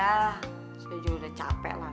saya juga udah capek lah